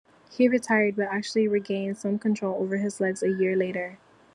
He retired, but actually regained some control over his legs a year later.